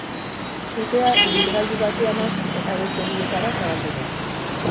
Sutea ibilgailu batean hasi eta beste bietara zabaldu da.